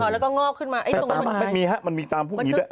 แล้วก็งอกขึ้นมามันมีตามพวกนี้ด้วย